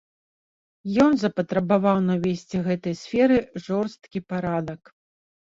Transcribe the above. Ён запатрабаваў навесці ў гэтай сферы жорсткі парадак.